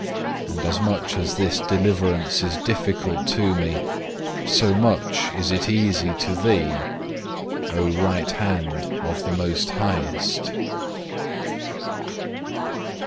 And as much as this deliverance is difficult to me, so much is it easy to Thee, O right hand of the most Highest.